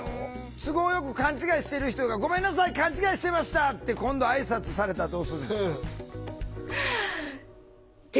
都合よく勘違いしてる人が「ごめんなさい勘違いしてました！」って今度あいさつされたらどうするんですか？